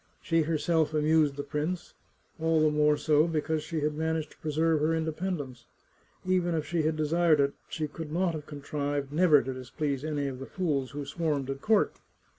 She herself amused the prince, all the more so because she had managed to preserve her independence. Even if she had desired it she could not have contrived never to displease any of the fools who swarmed at court.